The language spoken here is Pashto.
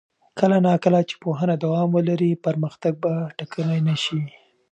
کله نا کله چې پوهنه دوام ولري، پرمختګ به ټکنی نه شي.